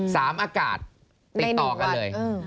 อากาศติดต่อกันเลย